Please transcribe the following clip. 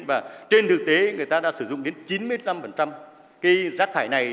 và trên thực tế người ta đã sử dụng đến chín mươi năm cái rác thải này